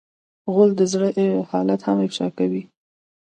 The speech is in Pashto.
غول د زړه حالت هم افشا کوي.